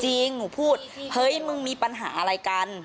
หนูพูดเฮ้ยมึงมีปัญหาอะไรกัน